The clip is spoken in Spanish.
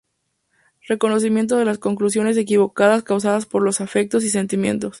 Reconocimiento de las conclusiones equivocadas causada por los afectos y sentimientos.